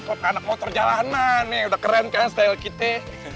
kok anak motor jalanan nih udah keren kan style kita